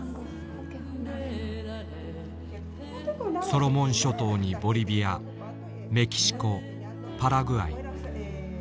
ソロモン諸島にボリビアメキシコパラグアイ。